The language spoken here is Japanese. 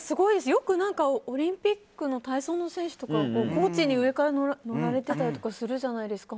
よく、オリンピックの体操の選手とかコーチに上から乗られてたりするじゃないですか。